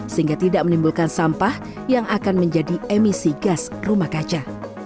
sehingga tidak menimbulkan sampah yang akan menjadi emisi gas rumah kaca